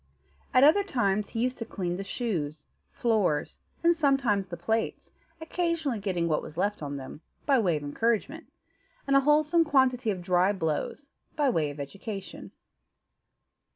At other times he used to clean the shoes, floors, and sometimes the plates, occasionally getting what was left on them, by way of encouragement, and a wholesome quantity of dry blows, by way of education.